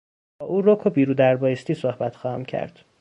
با او رک و بی رو در بایستی صحبت خواهم کرد.